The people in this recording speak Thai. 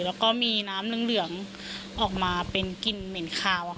แล้วก็มีน้ำเหลืองออกมาเป็นกลิ่นเหม็นคาว